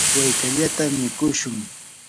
wallkallata mikushun.